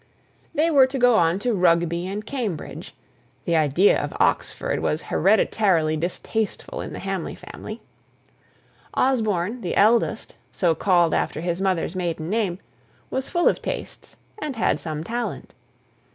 They were to go on to Rugby and Cambridge; the idea of Oxford was hereditarily distasteful in the Hamley family. Osborne, the eldest so called after his mother's maiden name was full of taste, and had some talent.